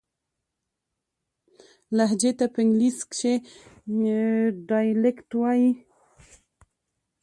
لهجې ته په انګلیسي کښي Dialect وایي.